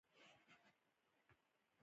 او بل د پښتو ادب د ودې لپاره